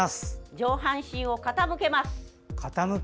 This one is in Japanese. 上半身を傾けます。